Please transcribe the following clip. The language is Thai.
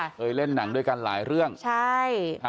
เคยเล่นหนังด้วยกันหลายเรื่องใช่